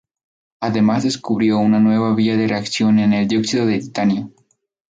Además descubrió una nueva vía de reacción en el dióxido de titanio.